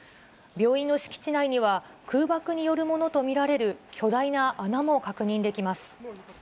病院の敷地内には、空爆によるものと見られる巨大な穴も確認できます。